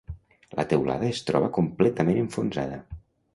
La teulada es troba completament enfonsada.